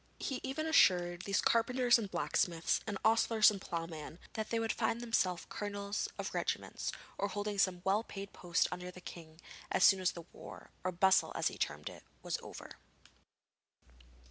He even assured these carpenters and blacksmiths and ostlers and ploughmen that they would find themselves colonels of regiments, or holding some well paid post under the king, as soon as the war or bustle as he termed it was over.